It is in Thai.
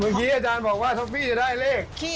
เมื่อกี้อาจารย์บอกว่าทอฟฟี่จะได้เลข